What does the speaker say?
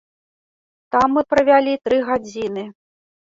Там мы правялі тры гадзіны.